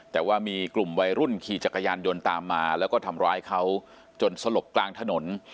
แต่ว่ามีกลุ่มวัยรุ่นขี่จักรยานยนต์ตามมาแล้วก็ทำร้ายเขาจนสลบกลางถนน